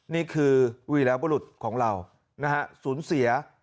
นี่คือวีรบรุษของเรานะฮะสูญเสีย